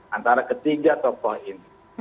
antara ketiga tokoh ini